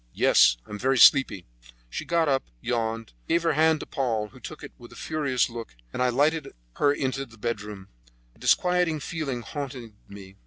"Yes; I am very sleepy." She got up, yawned, gave her hand to Paul, who took it with a furious look, and I lighted her into the bedroom. A disquieting feeling haunted me.